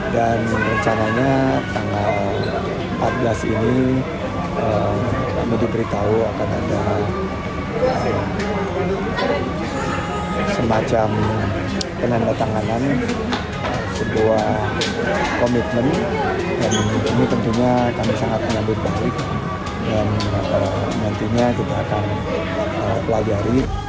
dan nantinya kita akan pelajari